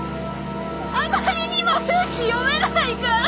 あまりにも空気読めないから！